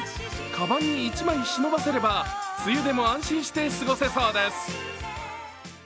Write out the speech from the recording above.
かばんに１枚忍ばせれば、梅雨でも安心して過ごせそうです。